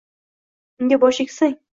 Unga bosh egsang